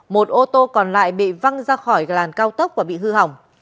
một ô tô còn lại bị văng ra khỏi làn cao tốc và bị hư hỏng